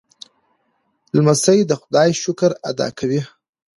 لمسی د خدای شکر ادا کوي.